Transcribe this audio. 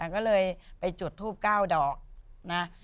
ก็เลยไปจุดทูป๙ดอกนะ